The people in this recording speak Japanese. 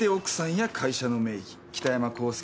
北山浩介